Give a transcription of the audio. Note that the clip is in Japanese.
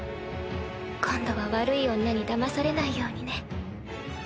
今度は悪い女にだまされないようにね。